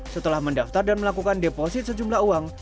setelah mendaftar dan melakukan deposit sejumlah uang